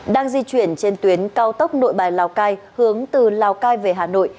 đang di chuyển trên tuyến cao tốc nội bài lào cai hướng từ lào cai về hà nội